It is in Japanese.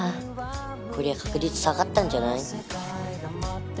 こりゃ確率下がったんじゃない？